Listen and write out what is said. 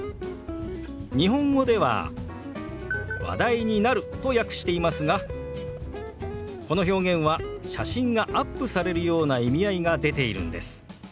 日本語では「話題になる」と訳していますがこの表現は写真がアップされるような意味合いが出ているんです。